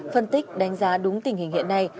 phân tích đánh giá đúng tình hình hiện nay